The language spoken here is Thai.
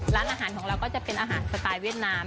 ร้านอาหารของเราก็จะเป็นอาหารสไตล์เวียดนาม